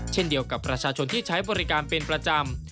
เช่นเดียวกับประชาชนที่ใช้บริการเป็นประจำ